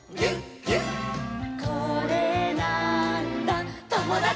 「これなーんだ『ともだち！』」